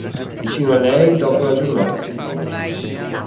Vicino a lei, dopo la giornata faticosa.